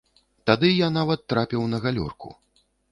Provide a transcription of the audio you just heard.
Тады я нават трапіў на галёрку.